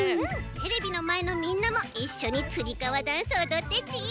テレビのまえのみんなもいっしょにつりかわダンスおどってち。